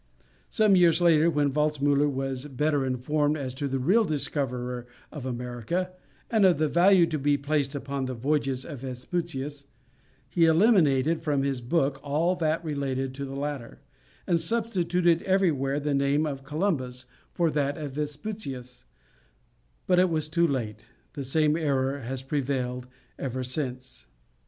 Some years later, when Waldtzemuller was better informed as to the real discoverer of America and of the value to be placed upon the voyages of Vespucius, he eliminated from his book all that related to the latter, and substituted everywhere the name of Columbus for that of Vespucius, but it was too late, the same error has prevailed ever since.